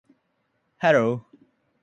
hello